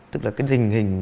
tức là cái hình hình